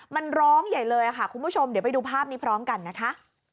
มันร้องใหญ่เลยค่ะคุณผู้ชมเดี๋ยวไปดูภาพนี้พร้อมกันนะคะ